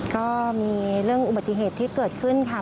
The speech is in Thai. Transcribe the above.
ก็มีเรื่องอุบัติเหตุที่เกิดขึ้นค่ะ